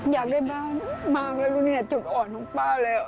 อยากได้บ้านมากเลยจุดอ่อนของป้าเลย